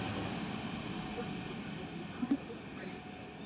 lakini ukiangalia ukienda sasa kwenye sehemu ambazo wanatakiwa watibiwe bure unakuta